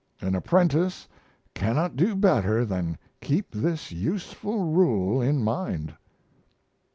An apprentice cannot do better than keep this useful rule in mind.